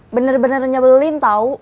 bener bener nyebelin tau